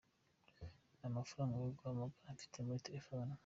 Nta mafaranga yo guhamagara mfite muri telephone.